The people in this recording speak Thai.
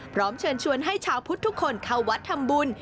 พร้อมเชิญชวนให้ชาวพุทธทุกคนเข้าวัดทำบุญ